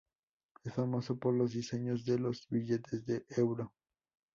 Es famoso por los diseños de los billetes de euro.